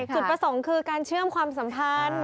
จุดประสงค์คือการเชื่อมความสัมพันธ์